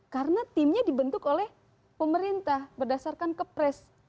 karena timnya dibentuk oleh pemerintah berdasarkan kepres